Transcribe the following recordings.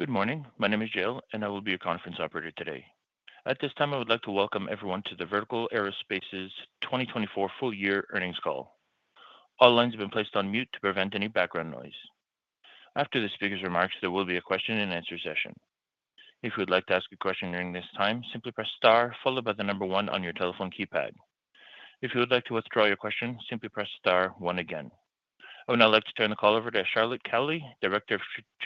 Good morning. My name is Jill, and I will be your conference operator today. At this time, I would like to welcome everyone to the Vertical Aerospace 2024 full-year earnings call. All lines have been placed on mute to prevent any background noise. After the speaker's remarks, there will be a question-and-answer session. If you would like to ask a question during this time, simply press star, followed by the number one on your telephone keypad. If you would like to withdraw your question, simply press star, one again. I would now like to turn the call over to Charlotte Cowley, Director of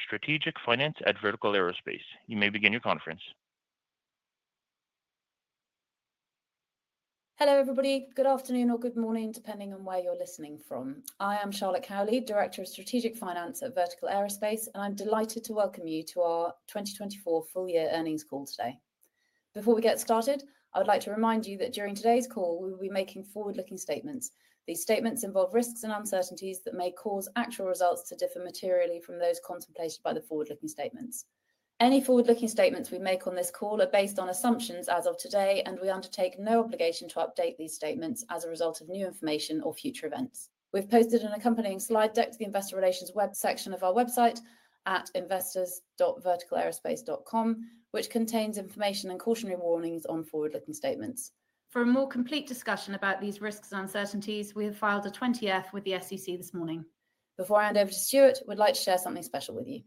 Strategic Finance at Vertical Aerospace. You may begin your conference. Hello, everybody. Good afternoon or good morning, depending on where you're listening from. I am Charlotte Cowley, Director of Strategic Finance at Vertical Aerospace, and I'm delighted to welcome you to our 2024 full-year earnings call today. Before we get started, I would like to remind you that during today's call, we will be making forward-looking statements. These statements involve risks and uncertainties that may cause actual results to differ materially from those contemplated by the forward-looking statements. Any forward-looking statements we make on this call are based on assumptions as of today, and we undertake no obligation to update these statements as a result of new information or future events. We've posted an accompanying slide deck to the Investor Relations web section of our website at investors.verticalaerospace.com, which contains information and cautionary warnings on forward-looking statements. For a more complete discussion about these risks and uncertainties, we have filed a 20-F with the SEC this morning. Before I hand over to Stuart, we'd like to share something special with you.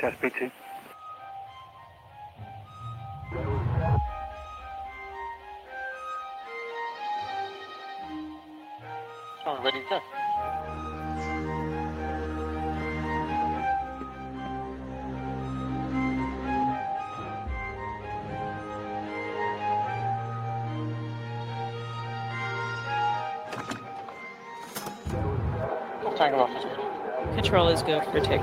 Test B2. All ready to test. Control is good. Control is good. Retake.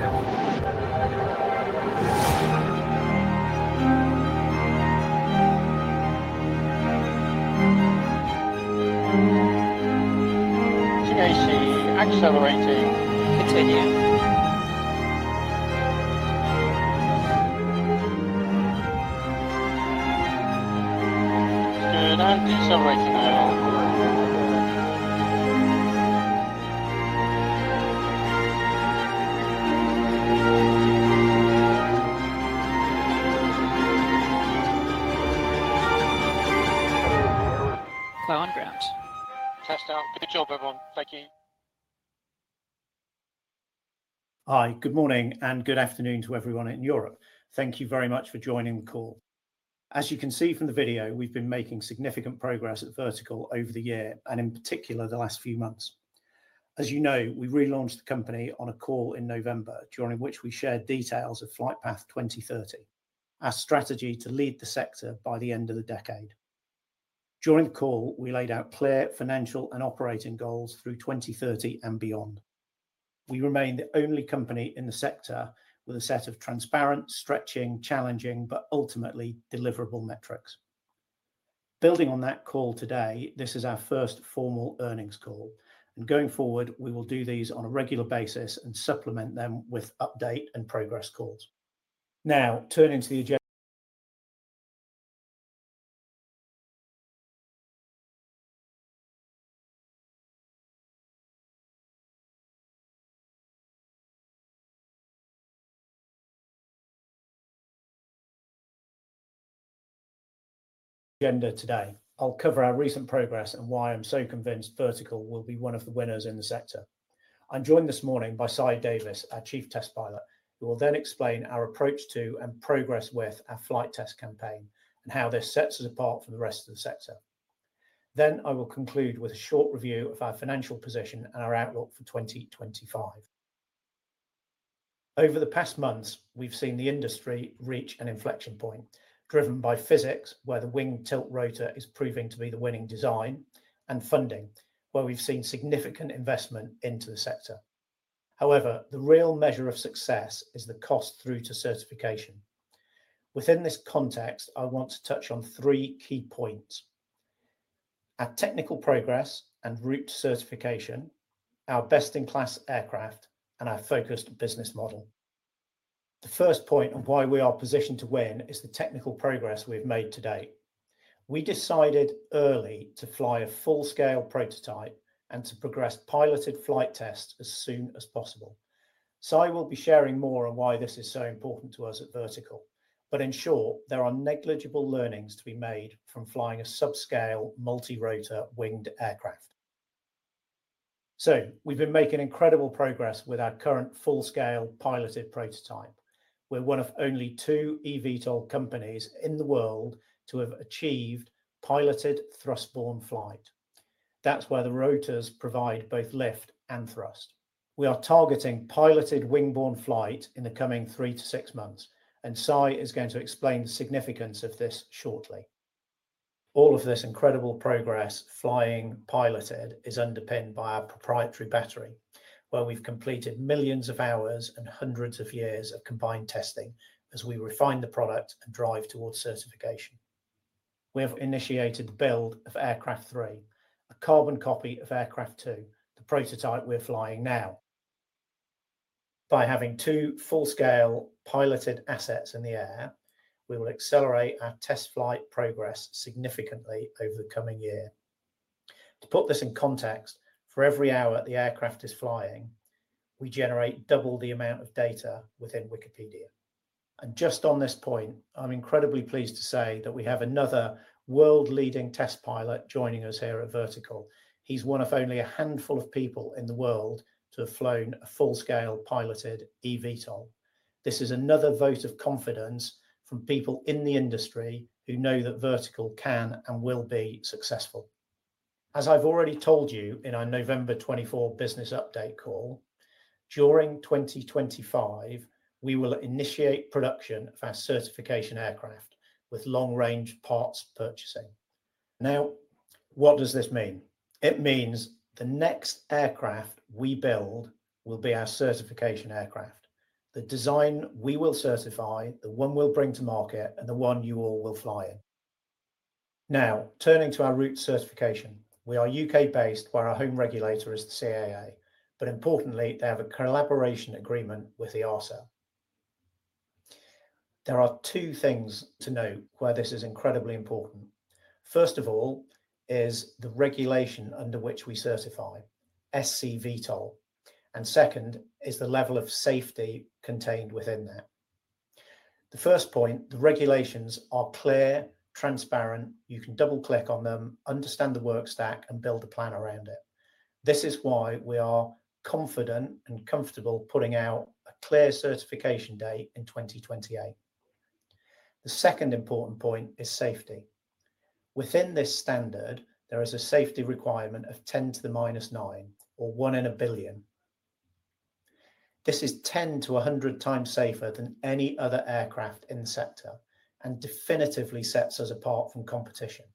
Continuing to see accelerating. Continue. Good, and decelerating now. Low on ground. Test down. Good job, everyone. Thank you. Hi, good morning and good afternoon to everyone in Europe. Thank you very much for joining the call. As you can see from the video, we've been making significant progress at Vertical over the year, and in particular the last few months. As you know, we relaunched the company on a call in November, during which we shared details of Flightpath 2030, our strategy to lead the sector by the end of the decade. During the call, we laid out clear financial and operating goals through 2030 and beyond. We remain the only company in the sector with a set of transparent, stretching, challenging, but ultimately deliverable metrics. Building on that call today, this is our first formal earnings call. Going forward, we will do these on a regular basis and supplement them with update and progress calls. Now, turning to the agenda. Agenda today. I'll cover our recent progress and why I'm so convinced Vertical will be one of the winners in the sector. I'm joined this morning by Sy Davies, our Chief Test Pilot, who will then explain our approach to and progress with our flight test campaign and how this sets us apart from the rest of the sector. I will conclude with a short review of our financial position and our outlook for 2025. Over the past months, we've seen the industry reach an inflection point, driven by physics, where the wing tilt rotor is proving to be the winning design, and funding, where we've seen significant investment into the sector. However, the real measure of success is the cost through to certification. Within this context, I want to touch on three key points: our technical progress and route to certification, our best-in-class aircraft, and our focused business model. The first point on why we are positioned to win is the technical progress we've made to date. We decided early to fly a full-scale prototype and to progress piloted flight tests as soon as possible. Sy will be sharing more on why this is so important to us at Vertical. In short, there are negligible learnings to be made from flying a subscale multi-rotor winged aircraft. We have been making incredible progress with our current full-scale piloted prototype. We are one of only two eVTOL companies in the world to have achieved piloted thrust-borne flight. That is where the rotors provide both lift and thrust. We are targeting piloted wing-borne flight in the coming three to six months, and Sy is going to explain the significance of this shortly. All of this incredible progress flying piloted is underpinned by our proprietary battery, where we've completed millions of hours and hundreds of years of combined testing as we refine the product and drive towards certification. We have initiated the build of Aircraft 3, a carbon copy of Aircraft 2, the prototype we're flying now. By having two full-scale piloted assets in the air, we will accelerate our test flight progress significantly over the coming year. To put this in context, for every hour the aircraft is flying, we generate double the amount of data within Wikipedia. Just on this point, I'm incredibly pleased to say that we have another world-leading test pilot joining us here at Vertical. He's one of only a handful of people in the world to have flown a full-scale piloted eVTOL. This is another vote of confidence from people in the industry who know that Vertical can and will be successful. As I've already told you in our November 24 business update call, during 2025, we will initiate production of our certification aircraft with long-range parts purchasing. Now, what does this mean? It means the next aircraft we build will be our certification aircraft. The design we will certify, the one we'll bring to market, and the one you all will fly in. Now, turning to our route certification, we are UK-based, where our home regulator is the CAA, but importantly, they have a collaboration agreement with the EASA. There are two things to note where this is incredibly important. First of all is the regulation under which we certify, SC-VTOL. And second is the level of safety contained within that. The first point, the regulations are clear, transparent. You can double-click on them, understand the work stack, and build a plan around it. This is why we are confident and comfortable putting out a clear certification date in 2028. The second important point is safety. Within this standard, there is a safety requirement of 10 to the minus 9, or one in a billion. This is 10 to 100x safer than any other aircraft in the sector and definitively sets us apart from competition.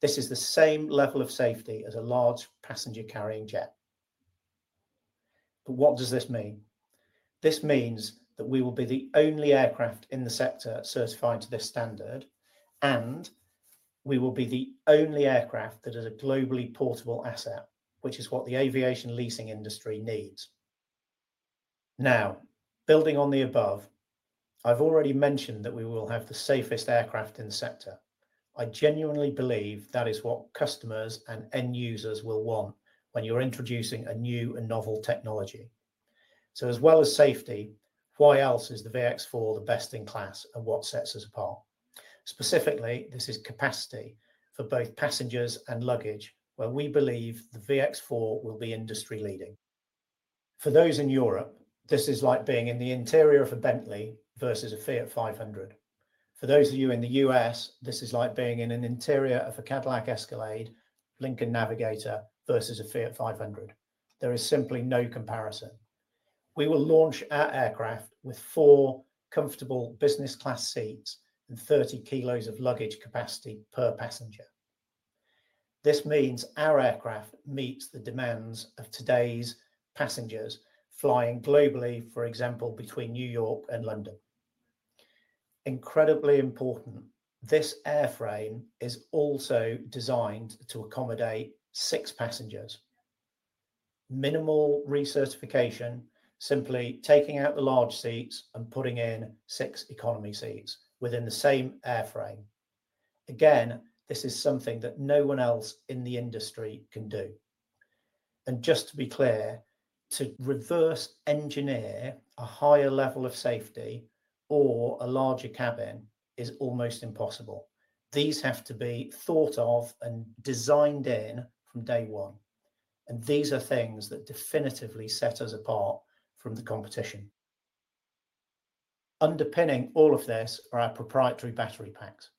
This is the same level of safety as a large passenger-carrying jet. What does this mean? This means that we will be the only aircraft in the sector certified to this standard, and we will be the only aircraft that is a globally portable asset, which is what the aviation leasing industry needs. Now, building on the above, I've already mentioned that we will have the safest aircraft in the sector. I genuinely believe that is what customers and end users will want when you're introducing a new and novel technology. As well as safety, why else is the VX4 the best in class and what sets us apart? Specifically, this is capacity for both passengers and luggage, where we believe the VX4 will be industry-leading. For those in Europe, this is like being in the interior of a Bentley versus a Fiat 500. For those of you in the U.S., this is like being in an interior of a Cadillac Escalade, Lincoln Navigator versus a Fiat 500. There is simply no comparison. We will launch our aircraft with four comfortable business-class seats and 30 kg of luggage capacity per passenger. This means our aircraft meets the demands of today's passengers flying globally, for example, between New York and London. Incredibly important, this airframe is also designed to accommodate six passengers. Minimal recertification, simply taking out the large seats and putting in six economy seats within the same airframe. This is something that no one else in the industry can do. Just to be clear, to reverse-engineer a higher level of safety or a larger cabin is almost impossible. These have to be thought of and designed in from day one. These are things that definitively set us apart from the competition. Underpinning all of this are our proprietary battery packs.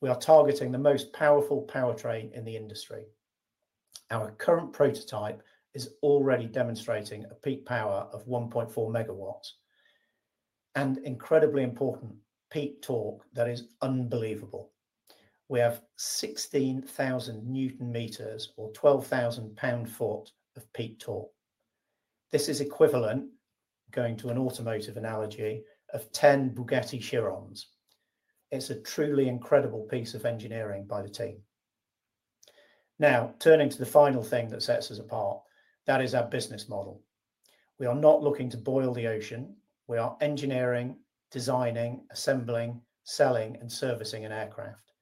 We are targeting the most powerful powertrain in the industry. Our current prototype is already demonstrating a peak power of 1.4 MW and incredibly important peak torque that is unbelievable. We have 16,000 newton-meters or 12,000 pound-foot of peak torque. This is equivalent, going to an automotive analogy, of 10 Bugatti Chirons. It's a truly incredible piece of engineering by the team. Now, turning to the final thing that sets us apart, that is our business model. We are not looking to boil the ocean. We are engineering, designing, assembling, selling, and servicing an aircraft.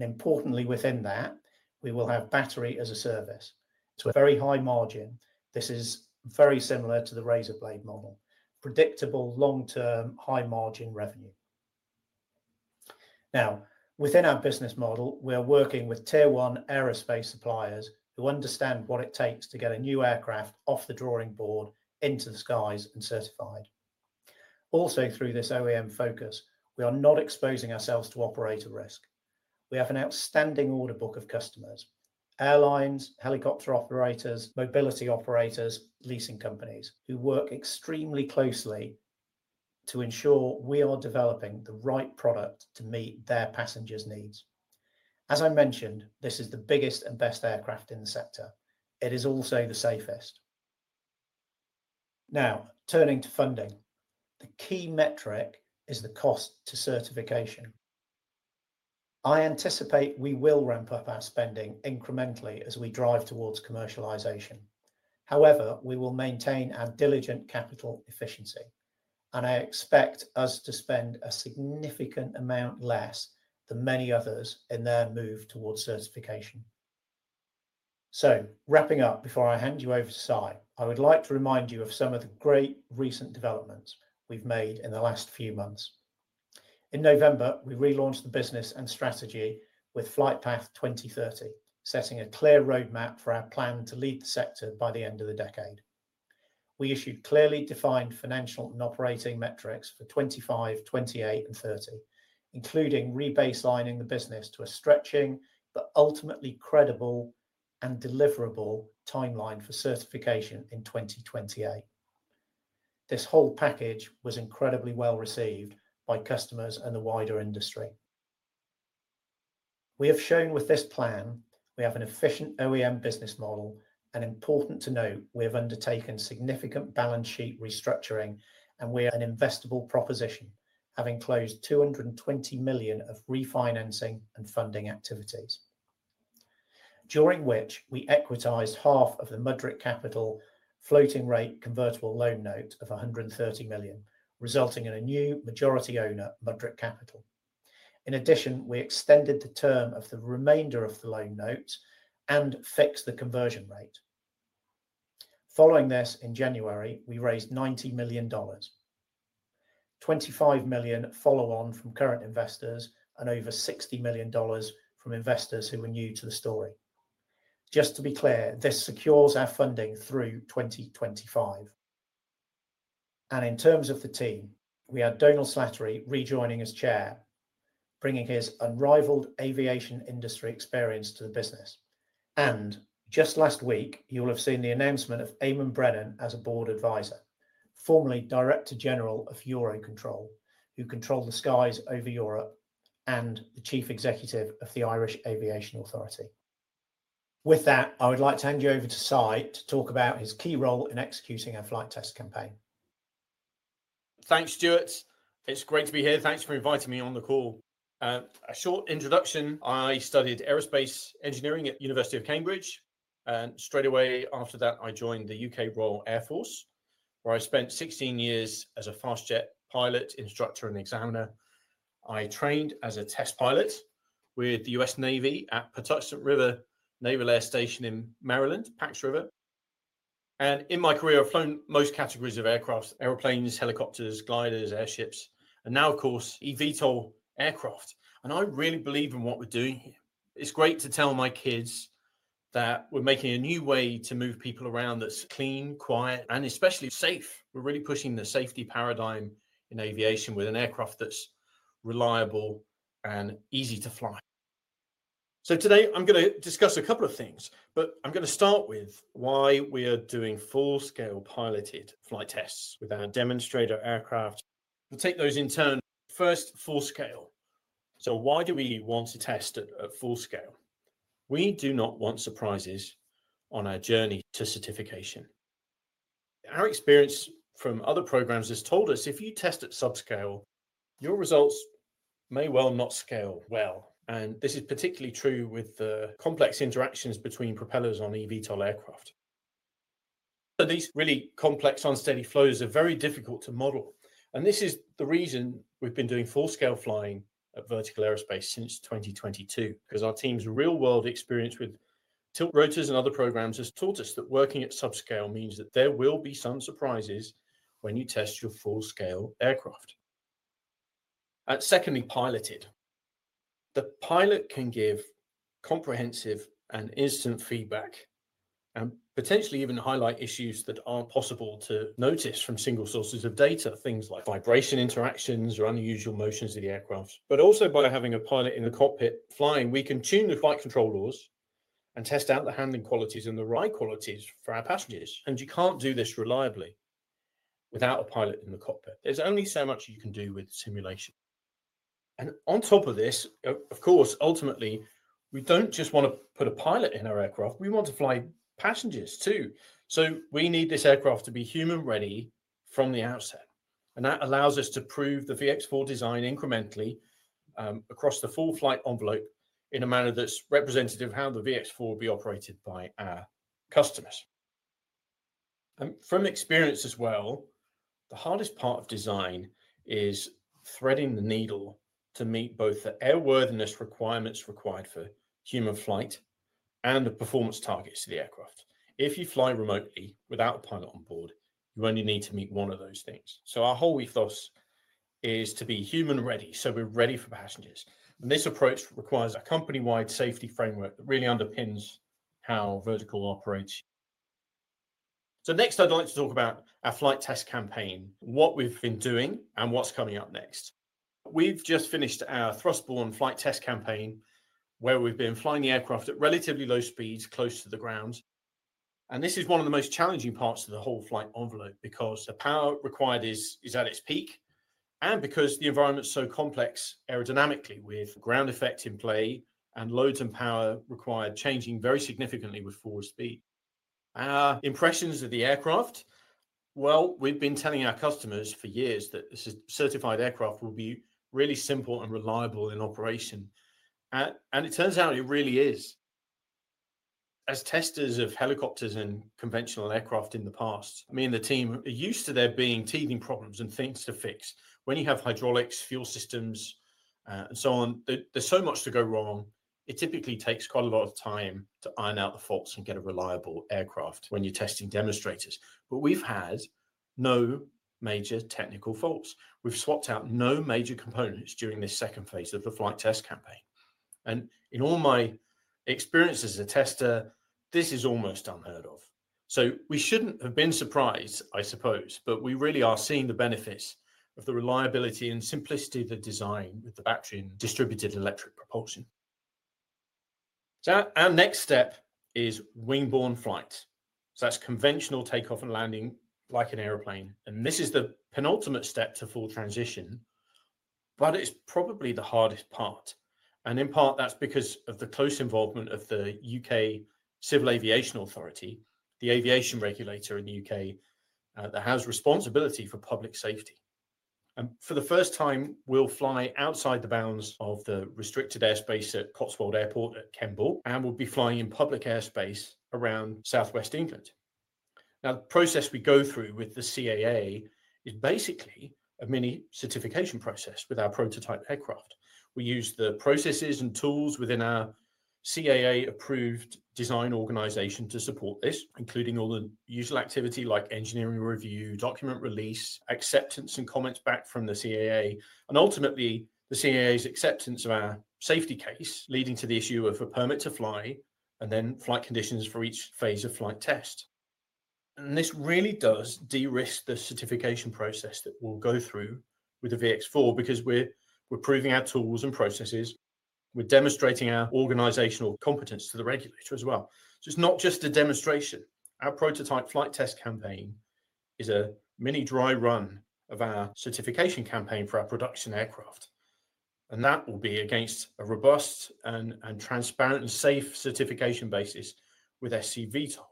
Importantly, within that, we will have battery as a service. It's a very high margin. This is very similar to the Razorblade model. Predictable, long-term, high-margin revenue. Now, within our business model, we are working with tier-one aerospace suppliers who understand what it takes to get a new aircraft off the drawing board into the skies and certified. Also, through this OEM focus, we are not exposing ourselves to operator risk. We have an outstanding order book of customers: airlines, helicopter operators, mobility operators, leasing companies who work extremely closely to ensure we are developing the right product to meet their passengers' needs. As I mentioned, this is the biggest and best aircraft in the sector. It is also the safest. Now, turning to funding, the key metric is the cost to certification. I anticipate we will ramp up our spending incrementally as we drive towards commercialization. However, we will maintain our diligent capital efficiency, and I expect us to spend a significant amount less than many others in their move towards certification. Wrapping up before I hand you over to Sy, I would like to remind you of some of the great recent developments we've made in the last few months. In November, we relaunched the business and strategy with Flightpath 2030, setting a clear roadmap for our plan to lead the sector by the end of the decade. We issued clearly defined financial and operating metrics for 2025, 2028, and 2030, including rebaselining the business to a stretching but ultimately credible and deliverable timeline for certification in 2028. This whole package was incredibly well received by customers and the wider industry. We have shown with this plan we have an efficient OEM business model, and important to note, we have undertaken significant balance sheet restructuring, and we are an investable proposition, having closed 220 million of refinancing and funding activities, during which we equitized half of the Mudrick Capital floating rate convertible loan note of 130 million, resulting in a new majority owner Mudrick Capital. In addition, we extended the term of the remainder of the loan note and fixed the conversion rate. Following this, in January, we raised $90 million, $25 million follow-on from current investors, and over $60 million from investors who were new to the story. Just to be clear, this secures our funding through 2025. In terms of the team, we had Dómhnal Slattery rejoining as Chair, bringing his unrivaled aviation industry experience to the business. Just last week, you will have seen the announcement of Eamonn Brennan as a Board Advisor, formerly Director General of Eurocontrol, who controlled the skies over Europe, and the Chief Executive of the Irish Aviation Authority. With that, I would like to hand you over to Sy to talk about his key role in executing our flight test campaign. Thanks, Stuart. It's great to be here. Thanks for inviting me on the call. A short introduction, I studied aerospace engineering at the University of Cambridge. Straight away after that, I joined the UK Royal Air Force, where I spent 16 years as a fast jet pilot, instructor, and examiner. I trained as a test pilot with the US Navy at Patuxent River Naval Air Station in Maryland, Pax River. In my career, I've flown most categories of aircraft, aeroplanes, helicopters, gliders, airships, and now, of course, eVTOL aircraft. I really believe in what we're doing here. It's great to tell my kids that we're making a new way to move people around that's clean, quiet, and especially safe. We're really pushing the safety paradigm in aviation with an aircraft that's reliable and easy to fly. Today, I'm going to discuss a couple of things, but I'm going to start with why we are doing full-scale piloted flight tests with our demonstrator aircraft. We'll take those in turn. First, full-scale. Why do we want to test at full-scale? We do not want surprises on our journey to certification. Our experience from other programs has told us if you test at subscale, your results may well not scale well. This is particularly true with the complex interactions between propellers on eVTOL aircraft. These really complex, unsteady flows are very difficult to model. This is the reason we've been doing full-scale flying at Vertical Aerospace since 2022, because our team's real-world experience with tilt rotors and other programs has taught us that working at subscale means that there will be some surprises when you test your full-scale aircraft. Secondly, piloted. The pilot can give comprehensive and instant feedback and potentially even highlight issues that aren't possible to notice from single sources of data, things like vibration interactions or unusual motions of the aircraft. Also, by having a pilot in the cockpit flying, we can tune the flight control laws and test out the handling qualities and the ride qualities for our passengers. You cannot do this reliably without a pilot in the cockpit. There is only so much you can do with simulation. On top of this, of course, ultimately, we do not just want to put a pilot in our aircraft. We want to fly passengers too. We need this aircraft to be human-ready from the outset. That allows us to prove the VX4 design incrementally across the full flight envelope in a manner that is representative of how the VX4 will be operated by our customers. From experience as well, the hardest part of design is threading the needle to meet both the airworthiness requirements required for human flight and the performance targets of the aircraft. If you fly remotely without a pilot on board, you only need to meet one of those things. Our whole ethos is to be human-ready, so we're ready for passengers. This approach requires a company-wide safety framework that really underpins how Vertical operates. Next, I'd like to talk about our flight test campaign, what we've been doing, and what's coming up next. We've just finished our thrust-borne flight test campaign, where we've been flying the aircraft at relatively low speeds close to the ground. This is one of the most challenging parts of the whole flight envelope because the power required is at its peak and because the environment is so complex aerodynamically with ground effect in play and loads and power required changing very significantly with forward speed. Our impressions of the aircraft? We have been telling our customers for years that this certified aircraft will be really simple and reliable in operation. It turns out it really is. As testers of helicopters and conventional aircraft in the past, me and the team are used to there being teething problems and things to fix. When you have hydraulics, fuel systems, and so on, there is so much to go wrong, it typically takes quite a lot of time to iron out the faults and get a reliable aircraft when you are testing demonstrators. We have had no major technical faults. We have swapped out no major components during this second phase of the flight test campaign. In all my experience as a tester, this is almost unheard of. We shouldn't have been surprised, I suppose, but we really are seeing the benefits of the reliability and simplicity of the design with the battery and distributed electric propulsion. Our next step is wing-borne flight. That's conventional takeoff and landing like an airplane. This is the penultimate step to full transition, but it's probably the hardest part. In part, that's because of the close involvement of the CAA, the aviation regulator in the U.K. that has responsibility for public safety. For the first time, we'll fly outside the bounds of the restricted airspace at Cotswold Airport at Kemble, and we'll be flying in public airspace around southwest England. The process we go through with the CAA is basically a mini certification process with our prototype aircraft. We use the processes and tools within our CAA approved design organization to support this, including all the usual activity like engineering review, document release, acceptance and comments back from the CAA, and ultimately the CAA's acceptance of our safety case, leading to the issue of a permit to fly and then flight conditions for each phase of flight test. This really does de-risk the certification process that we'll go through with the VX4 because we're proving our tools and processes. We're demonstrating our organizational competence to the regulator as well. It's not just a demonstration. Our prototype flight test campaign is a mini dry run of our certification campaign for our production aircraft. That will be against a robust and transparent and safe certification basis with SC-VTOL.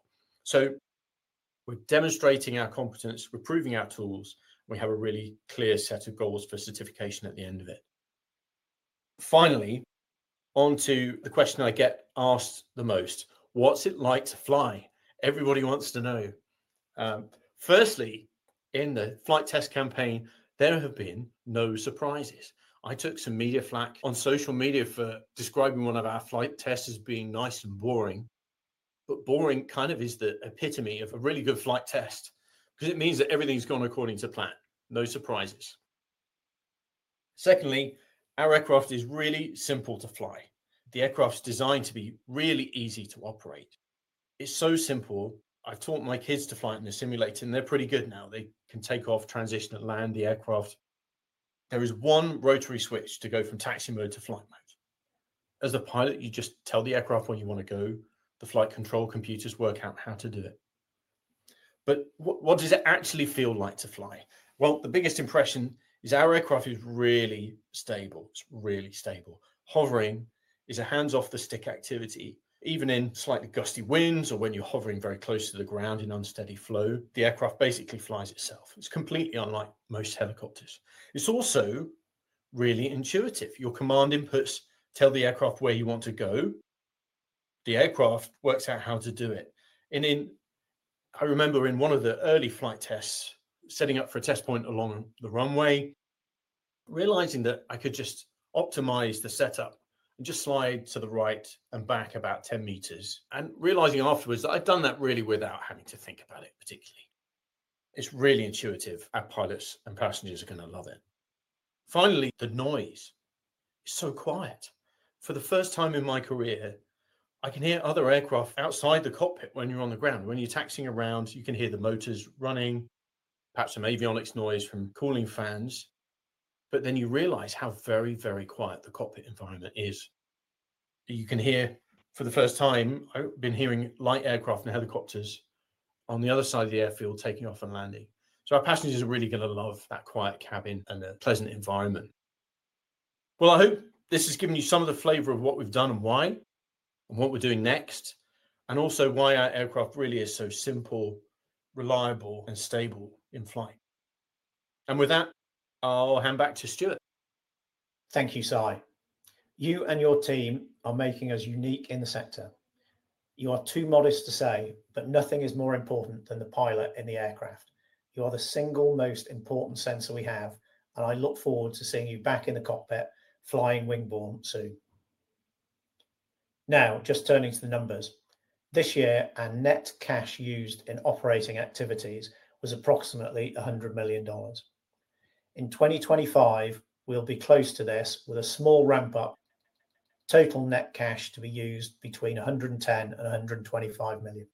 We are demonstrating our competence, we are proving our tools, and we have a really clear set of goals for certification at the end of it. Finally, onto the question I get asked the most, what's it like to fly? Everybody wants to know. Firstly, in the flight test campaign, there have been no surprises. I took some media flack on social media for describing one of our flight tests as being nice and boring. Boring kind of is the epitome of a really good flight test because it means that everything has gone according to plan. No surprises. Secondly, our aircraft is really simple to fly. The aircraft is designed to be really easy to operate. It is so simple. I have taught my kids to fly in the simulator, and they are pretty good now. They can take off, transition, and land the aircraft. There is one rotary switch to go from taxi mode to flight mode. As a pilot, you just tell the aircraft where you want to go. The flight control computers work out how to do it. What does it actually feel like to fly? The biggest impression is our aircraft is really stable. It is really stable. Hovering is a hands-off-the-stick activity. Even in slightly gusty winds or when you are hovering very close to the ground in unsteady flow, the aircraft basically flies itself. It is completely unlike most helicopters. It is also really intuitive. Your command inputs tell the aircraft where you want to go. The aircraft works out how to do it. I remember in one of the early flight tests, setting up for a test point along the runway, realizing that I could just optimize the setup and just slide to the right and back about 10 meters, and realizing afterwards that I've done that really without having to think about it particularly. It's really intuitive. Our pilots and passengers are going to love it. Finally, the noise. It's so quiet. For the first time in my career, I can hear other aircraft outside the cockpit when you're on the ground. When you're taxiing around, you can hear the motors running, perhaps some avionics noise from cooling fans, but then you realize how very, very quiet the cockpit environment is. You can hear for the first time, I've been hearing light aircraft and helicopters on the other side of the airfield taking off and landing. Our passengers are really going to love that quiet cabin and the pleasant environment. I hope this has given you some of the flavor of what we've done and why, and what we're doing next, and also why our aircraft really is so simple, reliable, and stable in flight. With that, I'll hand back to Stuart. Thank you, Sy. You and your team are making us unique in the sector. You are too modest to say, but nothing is more important than the pilot in the aircraft. You are the single most important sensor we have, and I look forward to seeing you back in the cockpit flying wing-borne soon. Now, just turning to the numbers. This year, our net cash used in operating activities was approximately $100 million. In 2025, we'll be close to this with a small ramp-up, total net cash to be used between $110 million and $125 million.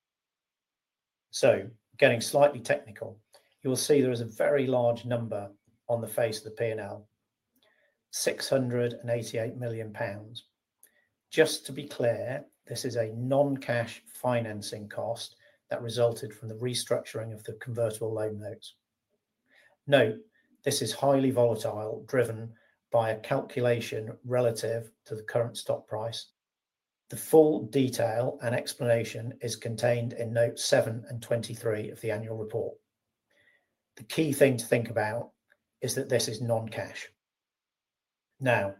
Getting slightly technical, you will see there is a very large number on the face of the P&L, 688 million pounds. Just to be clear, this is a non-cash financing cost that resulted from the restructuring of the convertible loan notes. Note this is highly volatile, driven by a calculation relative to the current stock price. The full detail and explanation is contained in notes 7 and 23 of the annual report. The key thing to think about is that this is non-cash. Now,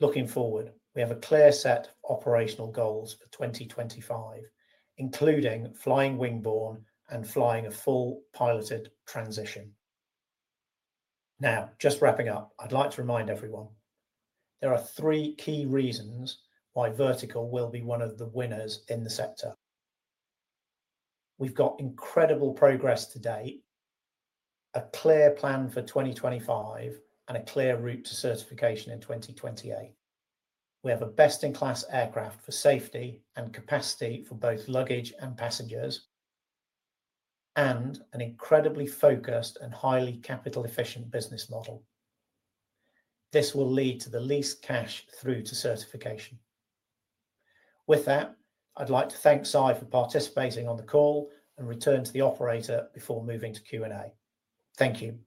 looking forward, we have a clear set of operational goals for 2025, including flying wing-borne and flying a full piloted transition. Now, just wrapping up, I'd like to remind everyone, there are three key reasons why Vertical will be one of the winners in the sector. We've got incredible progress to date, a clear plan for 2025, and a clear route to certification in 2028. We have a best-in-class aircraft for safety and capacity for both luggage and passengers, and an incredibly focused and highly capital-efficient business model. This will lead to the least cash through to certification. With that, I'd like to thank Sy for participating on the call and return to the operator before moving to Q&A. Thank you.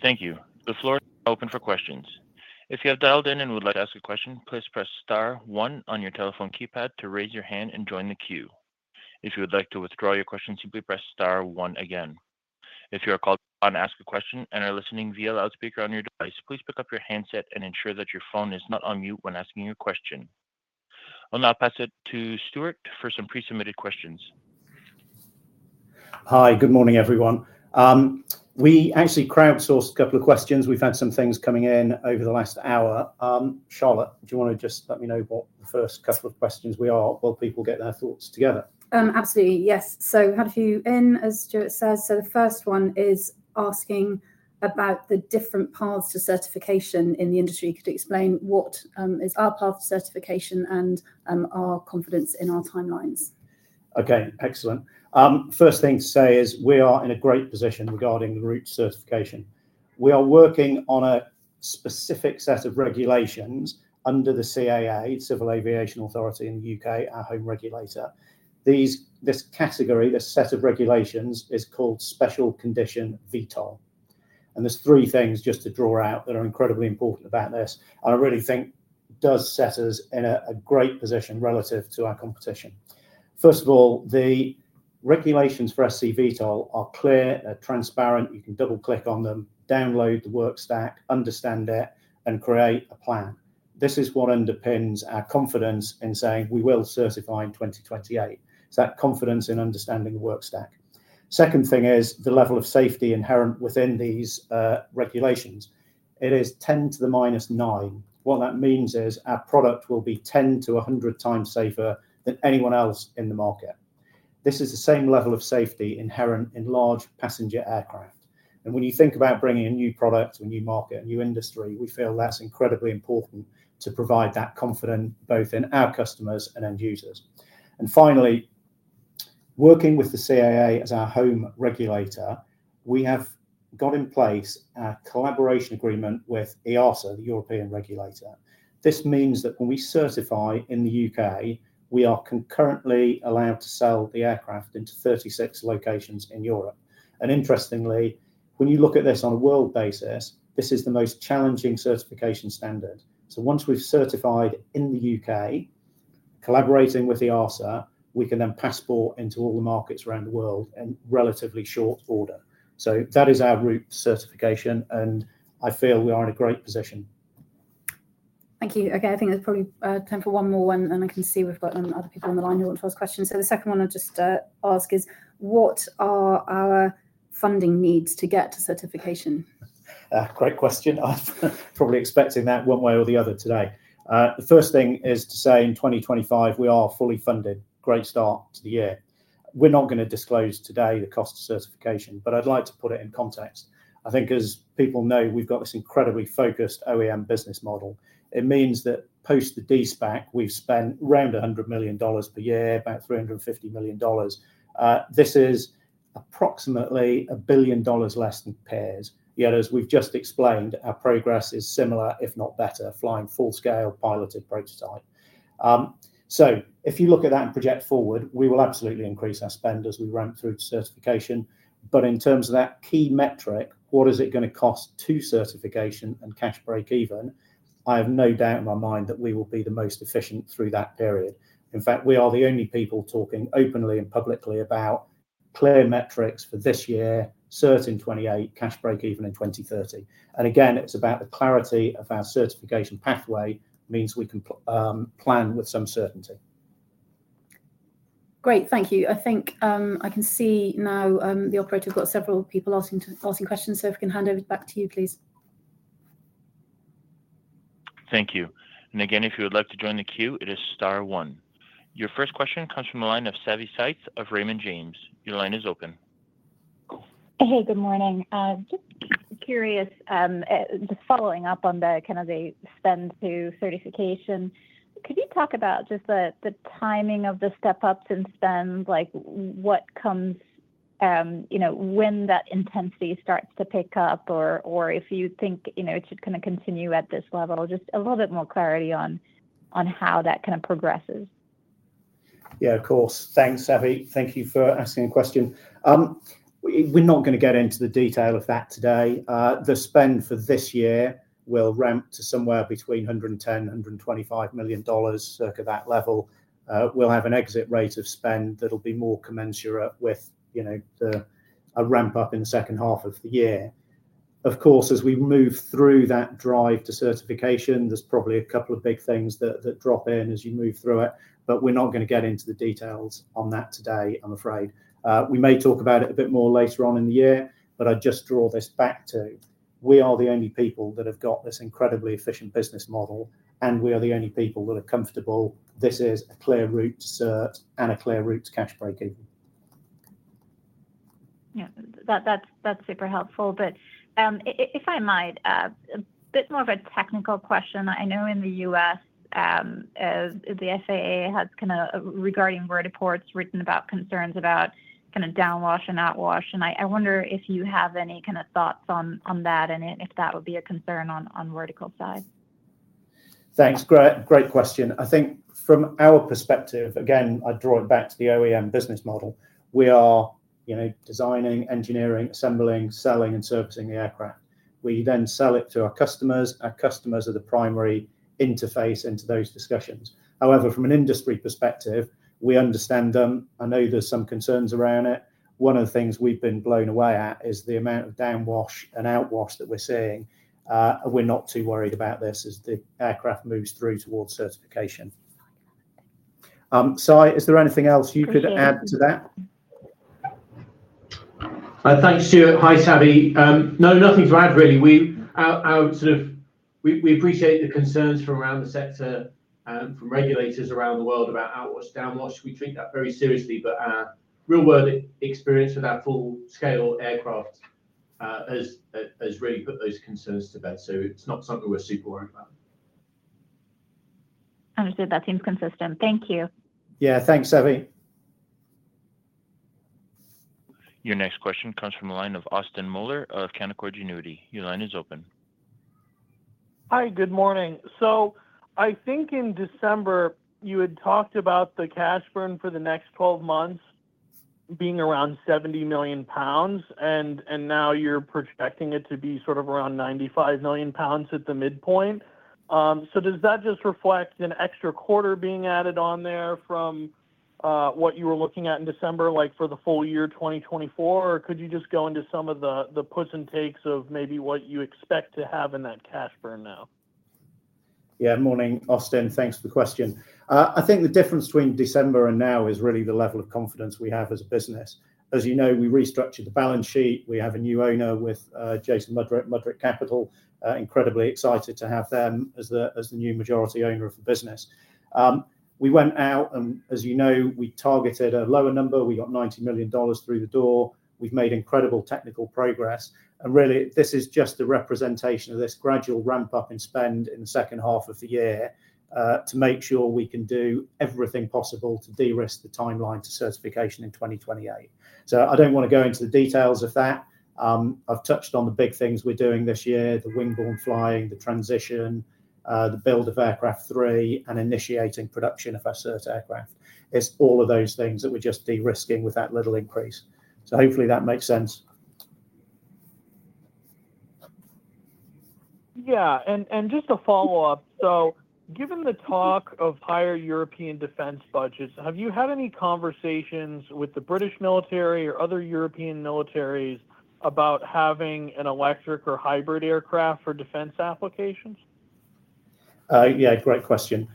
Thank you. The floor is open for questions. If you have dialed in and would like to ask a question, please press star one on your telephone keypad to raise your hand and join the queue. If you would like to withdraw your question, simply press star one again. If you are called on to ask a question and are listening via loudspeaker on your device, please pick up your handset and ensure that your phone is not on mute when asking your question. I'll now pass it to Stuart for some pre-submitted questions. Hi, good morning, everyone. We actually crowdsourced a couple of questions. We've had some things coming in over the last hour. Charlotte, do you want to just let me know what the first couple of questions we are while people get their thoughts together? Absolutely. Yes. We had a few in, as Stuart says. The first one is asking about the different paths to certification in the industry. Could you explain what is our path to certification and our confidence in our timelines? Okay, excellent. First thing to say is we are in a great position regarding the route to certification. We are working on a specific set of regulations under the CAA, Civil Aviation Authority in the U.K., our home regulator. This category, this set of regulations, is called Special Condition VTOL. There are three things just to draw out that are incredibly important about this, and I really think does set us in a great position relative to our competition. First of all, the regulations for SC-VTOL are clear, they're transparent, you can double-click on them, download the work stack, understand it, and create a plan. This is what underpins our confidence in saying we will certify in 2028. It's that confidence in understanding the work stack. The second thing is the level of safety inherent within these regulations. It is 10^-9. What that means is our product will be 10-100 times safer than anyone else in the market. This is the same level of safety inherent in large passenger aircraft. When you think about bringing a new product to a new market, a new industry, we feel that's incredibly important to provide that confidence both in our customers and end users. Finally, working with the CAA as our home regulator, we have got in place a collaboration agreement with EASA, the European regulator. This means that when we certify in the U.K., we are concurrently allowed to sell the aircraft into 36 locations in Europe. Interestingly, when you look at this on a world basis, this is the most challenging certification standard. Once we've certified in the U.K., collaborating with EASA, we can then passport into all the markets around the world in relatively short order. That is our route to certification, and I feel we are in a great position. Thank you. Okay, I think there's probably time for one more, and I can see we've got other people on the line who want to ask questions. The second one I'll just ask is, what are our funding needs to get to certification? Great question. I'm probably expecting that one way or the other today. The first thing is to say in 2025, we are fully funded. Great start to the year. We're not going to disclose today the cost of certification, but I'd like to put it in context. I think as people know, we've got this incredibly focused OEM business model. It means that post the de-SPAC, we've spent around $100 million per year, about $350 million. This is approximately $1 billion less than peers. Yet, as we've just explained, our progress is similar, if not better, flying full-scale piloted prototype. If you look at that and project forward, we will absolutely increase our spend as we ramp through to certification. In terms of that key metric, what is it going to cost to certification and cash break even? I have no doubt in my mind that we will be the most efficient through that period. In fact, we are the only people talking openly and publicly about clear metrics for this year, certain 2028, cash break even in 2030. Again, it is about the clarity of our certification pathway, which means we can plan with some certainty. Great, thank you. I think I can see now the operator has got several people asking questions, so if we can hand over back to you, please. Thank you. Again, if you would like to join the queue, it is star one. Your first question comes from the line of Savi Syth of Raymond James. Your line is open. Hey, good morning. Just curious, just following up on the kind of the spend to certification, could you talk about just the timing of the step-ups in spend, like what comes when that intensity starts to pick up or if you think it should kind of continue at this level? Just a little bit more clarity on how that kind of progresses. Yeah, of course. Thanks, Savi. Thank you for asking the question. We're not going to get into the detail of that today. The spend for this year will ramp to somewhere between $110 to $125 million, circa that level. We'll have an exit rate of spend that'll be more commensurate with a ramp-up in the second half of the year. Of course, as we move through that drive to certification, there's probably a couple of big things that drop in as you move through it, but we're not going to get into the details on that today, I'm afraid. We may talk about it a bit more later on in the year, but I just draw this back to we are the only people that have got this incredibly efficient business model, and we are the only people that are comfortable. This is a clear route to cert and a clear route to cash break even. Yeah, that's super helpful. If I might, a bit more of a technical question. I know in the U.S., the FAA has kind of regarding Vertical, it's written about concerns about kind of downwash and outwash.I wonder if you have any kind of thoughts on that and if that would be a concern on Vertical's side. Thanks. Great question. I think from our perspective, again, I draw it back to the OEM business model. We are designing, engineering, assembling, selling, and servicing the aircraft. We then sell it to our customers. Our customers are the primary interface into those discussions. However, from an industry perspective, we understand them. I know there's some concerns around it. One of the things we've been blown away at is the amount of downwash and outwash that we're seeing. We're not too worried about this as the aircraft moves through towards certification. Sy, is there anything else you could add to that? Thanks, Stuart. Hi, Savi. No, nothing to add, really. We appreciate the concerns from around the sector, from regulators around the world about outwash, downwash. We treat that very seriously, but our real-world experience with our full-scale aircraft has really put those concerns to bed. It is not something we are super worried about. Understood. That seems consistent. Thank you. Yeah, thanks, Savi. Your next question comes from the line of Austin Moeller of Canaccord Genuity. Your line is open. Hi, good morning. I think in December, you had talked about the cash burn for the next 12 months being around 70 million pounds, and now you are projecting it to be sort of around 95 million pounds at the midpoint. Does that just reflect an extra quarter being added on there from what you were looking at in December, like for the full year 2024, or could you just go into some of the puts and takes of maybe what you expect to have in that cash burn now? Yeah, morning, Austin. Thanks for the question. I think the difference between December and now is really the level of confidence we have as a business. As you know, we restructured the balance sheet. We have a new owner with Jason Mudrick, Mudrick Capital. Incredibly excited to have them as the new majority owner of the business. We went out, and as you know, we targeted a lower number. We got $90 million through the door. We've made incredible technical progress. Really, this is just a representation of this gradual ramp-up in spend in the second half of the year to make sure we can do everything possible to de-risk the timeline to certification in 2028. I don't want to go into the details of that. I've touched on the big things we're doing this year, the Wingborne flying, the transition, the build of Aircraft 3, and initiating production of our cert aircraft. It's all of those things that we're just de-risking with that little increase. Hopefully that makes sense. Yeah. Just to follow up, given the talk of higher European defense budgets, have you had any conversations with the British military or other European militaries about having an electric or hybrid aircraft for defense applications? Yeah, great question.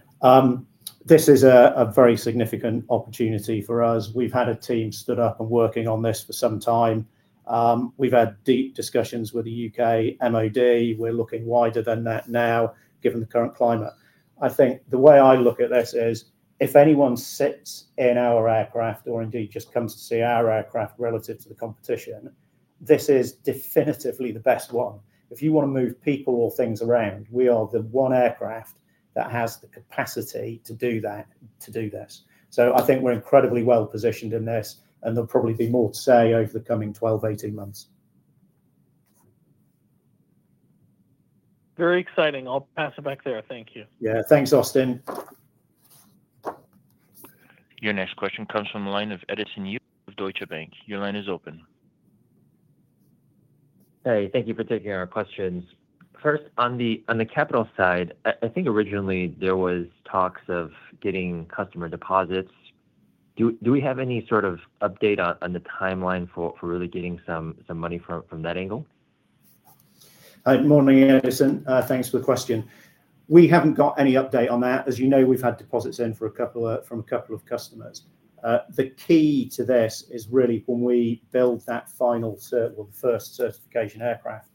This is a very significant opportunity for us. We've had a team stood up and working on this for some time. We've had deep discussions with the UK MOD. We're looking wider than that now, given the current climate. I think the way I look at this is if anyone sits in our aircraft or indeed just comes to see our aircraft relative to the competition, this is definitively the best one. If you want to move people or things around, we are the one aircraft that has the capacity to do that, to do this. I think we're incredibly well positioned in this, and there'll probably be more to say over the coming 12-18 months. Very exciting. I'll pass it back there. Thank you. Yeah, thanks, Austin. Your next question comes from the line of Edison Yu of Deutsche Bank. Your line is open. Hey, thank you for taking our questions. First, on the capital side, I think originally there were talks of getting customer deposits. Do we have any sort of update on the timeline for really getting some money from that angle? Morning, Edison. Thanks for the question. We haven't got any update on that. As you know, we've had deposits in from a couple of customers. The key to this is really when we build that final cert or the first certification aircraft,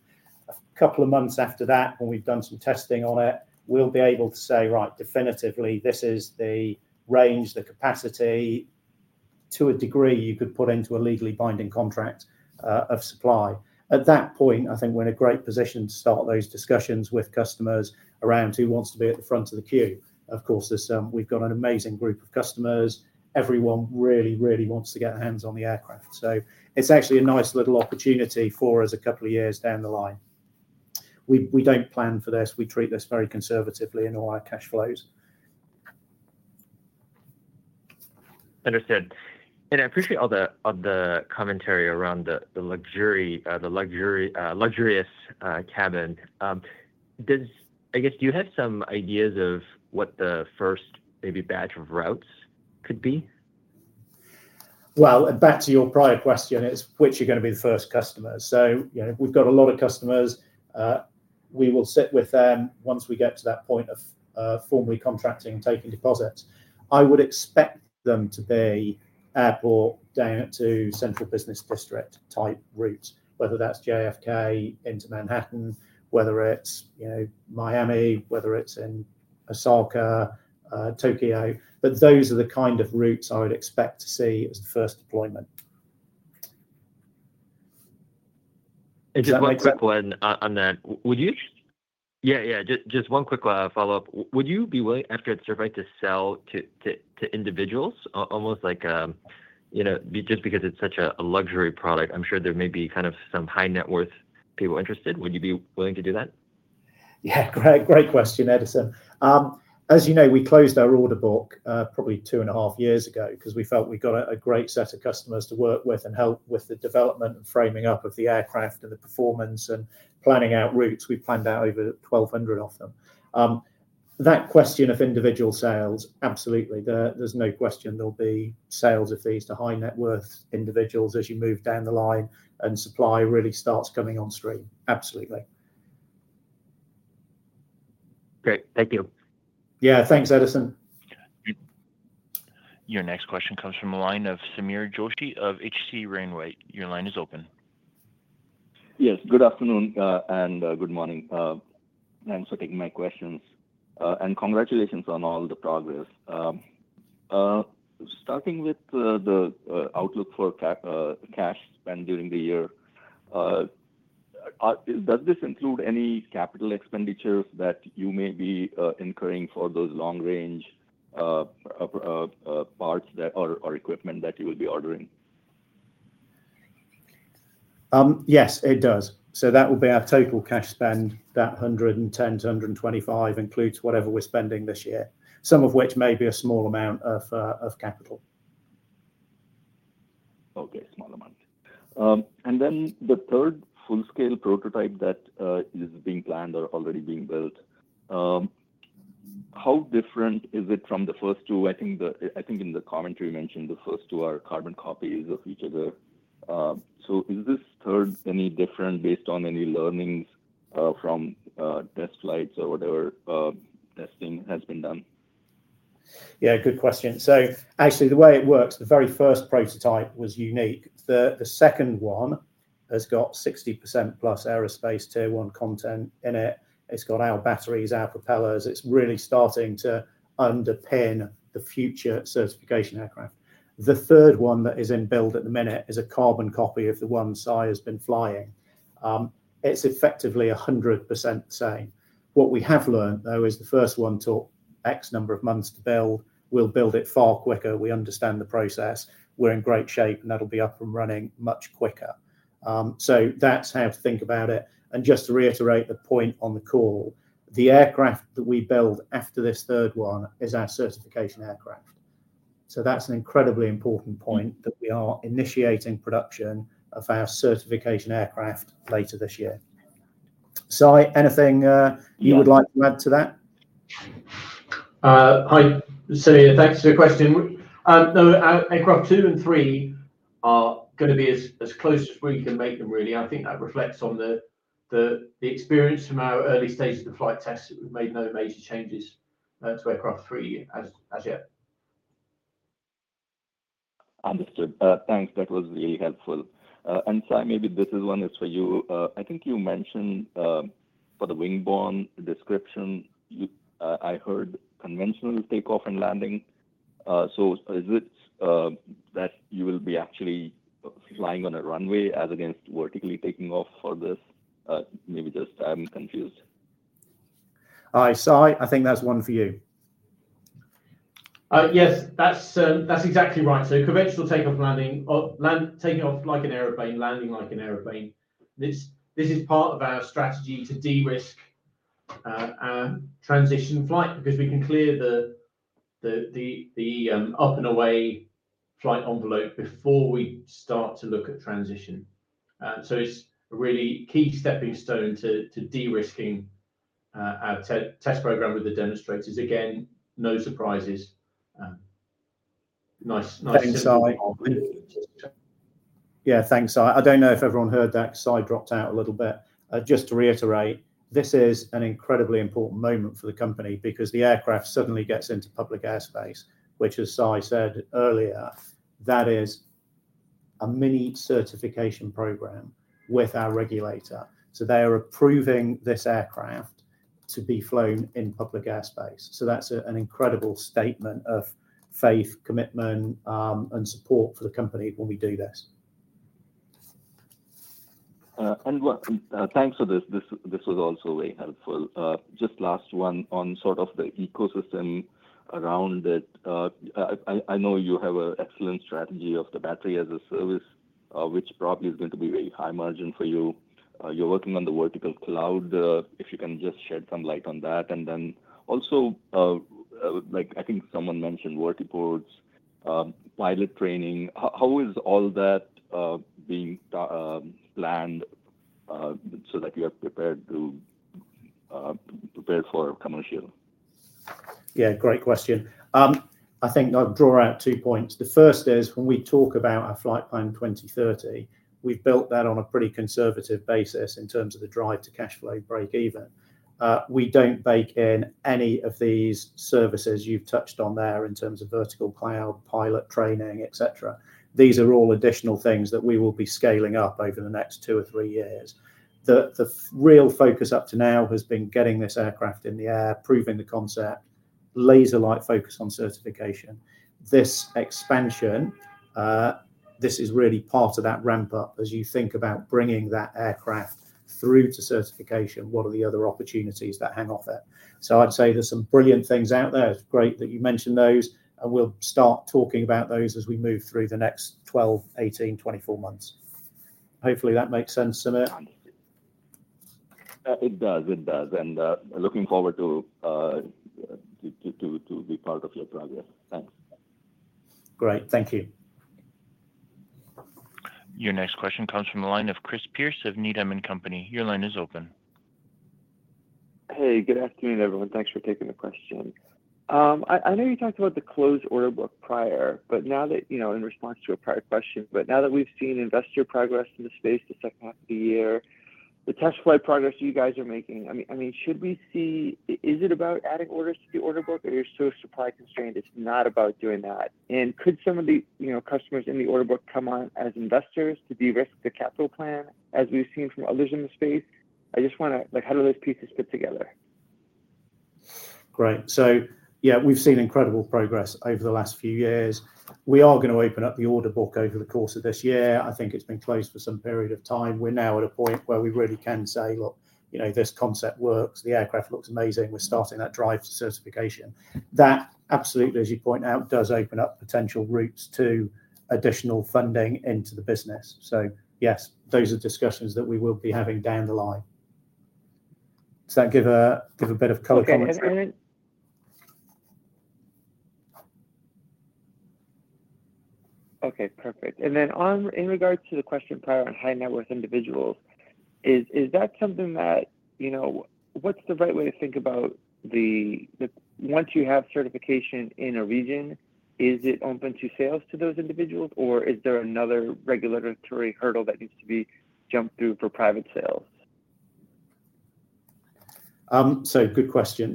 a couple of months after that, when we've done some testing on it, we'll be able to say, right, definitively, this is the range, the capacity to a degree you could put into a legally binding contract of supply. At that point, I think we're in a great position to start those discussions with customers around who wants to be at the front of the queue. Of course, we've got an amazing group of customers. Everyone really, really wants to get their hands on the aircraft. It is actually a nice little opportunity for us a couple of years down the line. We do not plan for this. We treat this very conservatively in all our cash flows. Understood. I appreciate all the commentary around the luxurious cabin. I guess, do you have some ideas of what the first maybe batch of routes could be? Back to your prior question, it's which are going to be the first customers. We've got a lot of customers. We will sit with them once we get to that point of formally contracting and taking deposits. I would expect them to be airport down to central business district type routes, whether that's JFK into Manhattan, whether it's Miami, whether it's in Osaka, Tokyo. Those are the kind of routes I would expect to see as the first deployment. Just one quick one on that. Would you? Yeah, yeah. Just one quick follow-up. Would you be willing, after it's surveyed, to sell to individuals, almost like just because it's such a luxury product? I'm sure there may be kind of some high-net-worth people interested. Would you be willing to do that? Yeah, great question, Edison. As you know, we closed our order book probably two and a half years ago because we felt we got a great set of customers to work with and help with the development and framing up of the aircraft and the performance and planning out routes. We planned out over 1,200 of them. That question of individual sales, absolutely. There's no question there'll be sales of these to high-net-worth individuals as you move down the line and supply really starts coming on stream. Absolutely. Great. Thank you. Yeah, thanks, Edison. Your next question comes from the line of Sameer Joshi of H.C. Wainwright. Your line is open. Yes, good afternoon and good morning. Thanks for taking my questions. And congratulations on all the progress. Starting with the outlook for cash spend during the year, does this include any capital expenditures that you may be incurring for those long-range parts or equipment that you will be ordering? Yes, it does. That will be our total cash spend, that 110-125 includes whatever we're spending this year, some of which may be a small amount of capital. Okay, small amount. The third full-scale prototype that is being planned or already being built, how different is it from the first two? I think in the commentary you mentioned the first two are carbon copies of each other. Is this third any different based on any learnings from test flights or whatever testing has been done? Yeah, good question. Actually, the way it works, the very first prototype was unique. The second one has got 60% plus aerospace tier one content in it. It's got our batteries, our propellers. It's really starting to underpin the future certification aircraft. The third one that is in build at the minute is a carbon copy of the one Sy has been flying. It's effectively 100% the same. What we have learned, though, is the first one took X number of months to build. We'll build it far quicker. We understand the process. We're in great shape, and that'll be up and running much quicker. That's how to think about it. Just to reiterate the point on the call, the aircraft that we build after this third one is our certification aircraft. That's an incredibly important point that we are initiating production of our certification aircraft later this year. Sy, anything you would like to add to that? Hi, Samir. Thanks for the question. No, Aircraft 2 and 3 are going to be as close as we can make them, really. I think that reflects on the experience from our early stages of the flight tests. We've made no major changes to Aircraft 3 as yet. Understood. Thanks. That was really helpful. Sy, maybe this is one that's for you. I think you mentioned for the wing-borne description, I heard conventional takeoff and landing. Is it that you will be actually flying on a runway as against vertically taking off for this? Maybe just I'm confused. Hi, Sy. I think that's one for you. Yes, that's exactly right. Conventional takeoff, landing, taking off like an airplane, landing like an airplane. This is part of our strategy to de-risk our transition flight because we can clear the up-and-away flight envelope before we start to look at transition. It's a really key stepping stone to de-risking our test program with the demonstrators. Again, no surprises. Nice to see you. Yeah, thanks, Sy. I don't know if everyone heard that. Sy dropped out a little bit. Just to reiterate, this is an incredibly important moment for the company because the aircraft suddenly gets into public airspace, which, as Sy said earlier, that is a mini certification program with our regulator. They are approving this aircraft to be flown in public airspace. That's an incredible statement of faith, commitment, and support for the company when we do this. Thanks for this. This was also very helpful. Just last one on sort of the ecosystem around it. I know you have an excellent strategy of the battery as a service, which probably is going to be very high margin for you. You're working on the vertical cloud. If you can just shed some light on that. I think someone mentioned vertiports, pilot training. How is all that being planned so that you are prepared to prepare for commercial? Yeah, great question. I think I'll draw out two points. The first is when we talk about our Flight Path 2030, we've built that on a pretty conservative basis in terms of the drive to cash flow break-even. We don't bake in any of these services you've touched on there in terms of vertical cloud, pilot training, etc. These are all additional things that we will be scaling up over the next two or three years. The real focus up to now has been getting this aircraft in the air, proving the concept, laser-like focus on certification. This expansion, this is really part of that ramp-up as you think about bringing that aircraft through to certification. What are the other opportunities that hang off it? I'd say there's some brilliant things out there. It's great that you mentioned those. We'll start talking about those as we move through the next 12, 18, 24 months. Hopefully, that makes sense, Samir. It does. It does. Looking forward to be part of your project. Thanks. Great. Thank you. Your next question comes from the line of Chris Pierce of Needham & Company. Your line is open. Hey, good afternoon, everyone. Thanks for taking the question. I know you talked about the closed order book prior, but now that in response to a prior question, but now that we've seen investor progress in the space, the second half of the year, the test flight progress you guys are making, I mean, should we see is it about adding orders to the order book or you're so supply constrained, it's not about doing that? And could some of the customers in the order book come on as investors to de-risk the capital plan as we've seen from others in the space? I just want to how do those pieces fit together? Great. Yeah, we've seen incredible progress over the last few years. We are going to open up the order book over the course of this year. I think it's been closed for some period of time. We're now at a point where we really can say, "Look, this concept works. The aircraft looks amazing. We're starting that drive to certification." That absolutely, as you point out, does open up potential routes to additional funding into the business. Yes, those are discussions that we will be having down the line. Does that give a bit of color commentary? Okay. Perfect. In regards to the question prior on high-net-worth individuals, is that something that, what's the right way to think about, once you have certification in a region, is it open to sales to those individuals, or is there another regulatory hurdle that needs to be jumped through for private sales? Good question.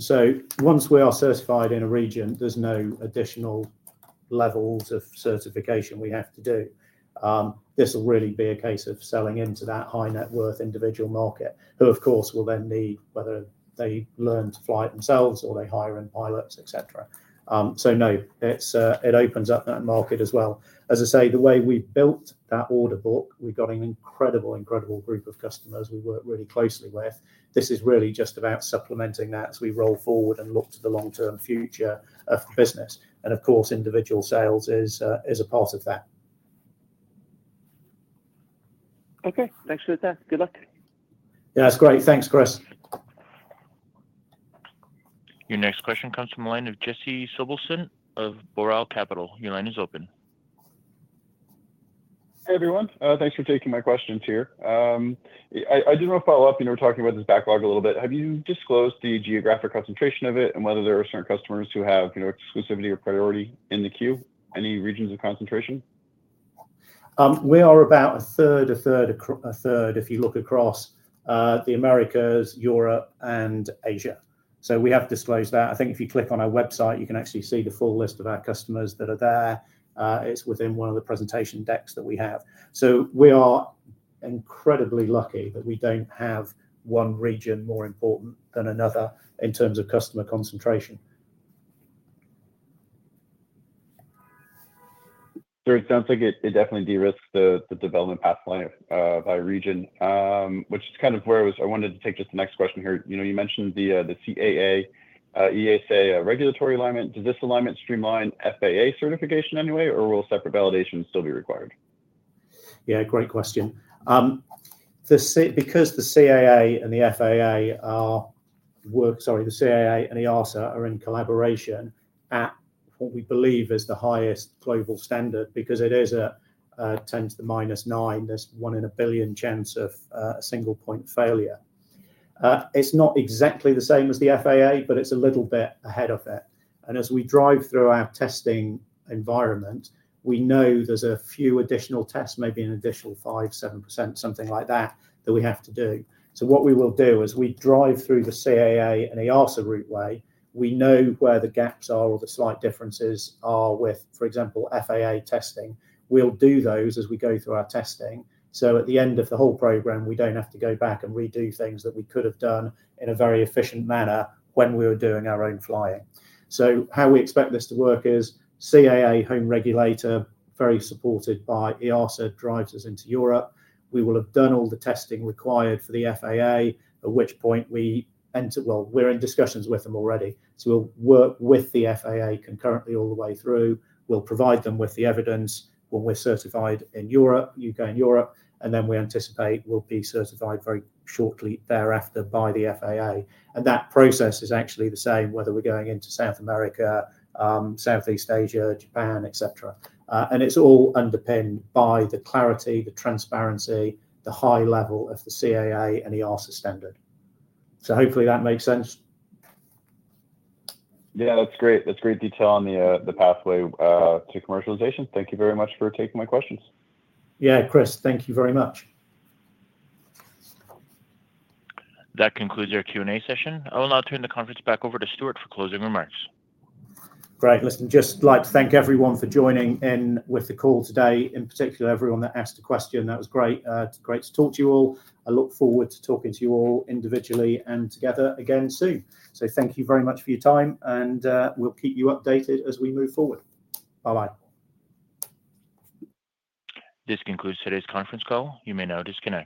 Once we are certified in a region, there's no additional levels of certification we have to do. This will really be a case of selling into that high-net-worth individual market, who of course will then need whether they learn to fly it themselves or they hire in pilots, etc. It opens up that market as well. As I say, the way we built that order book, we've got an incredible, incredible group of customers we work really closely with. This is really just about supplementing that as we roll forward and look to the long-term future of the business. Of course, individual sales is a part of that. Okay. Thanks for that. Good luck. Yeah, that's great. Thanks, Chris. Your next question comes from the line of Jesse Sobelson of Boral Capital. Your line is open. Hey, everyone. Thanks for taking my questions here. I did want to follow up. We were talking about this backlog a little bit. Have you disclosed the geographic concentration of it and whether there are certain customers who have exclusivity or priority in the queue? Any regions of concentration? We are about a third, a third, a third if you look across the Americas, Europe, and Asia. We have disclosed that. I think if you click on our website, you can actually see the full list of our customers that are there. It is within one of the presentation decks that we have. We are incredibly lucky that we do not have one region more important than another in terms of customer concentration. Sir, it sounds like it definitely de-risked the development pathway by region, which is kind of where I wanted to take just the next question here. You mentioned the CAA EASA regulatory alignment. Does this alignment streamline FAA certification anyway, or will separate validation still be required? Yeah, great question. Because the CAA and the EASA are in collaboration at what we believe is the highest global standard because it is a 10 to minus 9. There's one in a billion chance of a single point failure. It's not exactly the same as the FAA, but it's a little bit ahead of it. As we drive through our testing environment, we know there's a few additional tests, maybe an additional 5%-7%, something like that, that we have to do. What we will do as we drive through the CAA and the EASA route way, we know where the gaps are or the slight differences are with, for example, FAA testing. We'll do those as we go through our testing. At the end of the whole program, we don't have to go back and redo things that we could have done in a very efficient manner when we were doing our own flying. How we expect this to work is CAA home regulator, very supported by EASA, drives us into Europe. We will have done all the testing required for the FAA, at which point we enter, we're in discussions with them already. We'll work with the FAA concurrently all the way through. We'll provide them with the evidence when we're certified in Europe, U.K. and Europe. We anticipate we'll be certified very shortly thereafter by the FAA. That process is actually the same whether we're going into South America, Southeast Asia, Japan, etc. It's all underpinned by the clarity, the transparency, the high level of the CAA and EASA standard. Hopefully that makes sense. Yeah, that's great. That's great detail on the pathway to commercialization. Thank you very much for taking my questions. Yeah, Chris, thank you very much. That concludes our Q&A session. I will now turn the conference back over to Stuart for closing remarks. Great. Listen, just like to thank everyone for joining in with the call today, in particular everyone that asked a question. That was great. It's great to talk to you all. I look forward to talking to you all individually and together again soon. Thank you very much for your time, and we'll keep you updated as we move forward. Bye-bye. This concludes today's conference call. You may now disconnect.